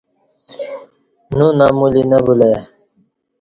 نونمولی نہ بُلہ ای